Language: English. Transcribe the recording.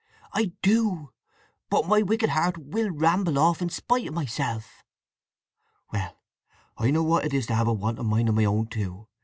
"I do. But my wicked heart will ramble off in spite of myself!" "Well—I know what it is to have a wanton mind o' my own, too!